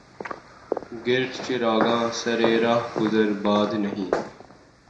گر چراغانِ سرِ رہ گزرِ باد نہیں